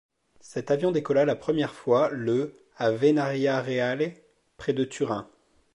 Cet avion décolla la première fois le à Venaria Reale près de Turin.